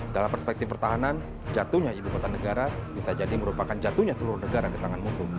dalam perspektif pertahanan jatuhnya ibu kota negara bisa jadi merupakan jatuhnya seluruh negara ke tangan musuh